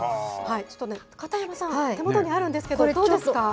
ちょっとね、片山さん、手元にあるんですけど、どうですか。